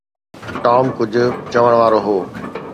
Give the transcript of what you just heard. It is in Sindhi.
ٽام ڪجهه چوڻ وارو هو.